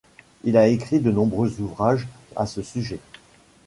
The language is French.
Il a écrit de nombreux ouvrages à ce sujet.